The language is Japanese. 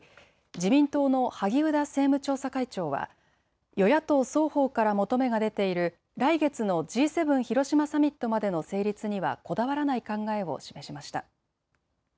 自民党の萩生田政務調査会長は与野党双方から求めが出ている来月のＧ７広島サミットまでの成立にはこだわらない考えを示しました。